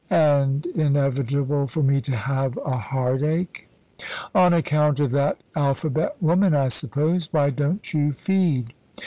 "And inevitable for me to have a heartache." "On account of that alphabet woman, I suppose. Why don't you feed?"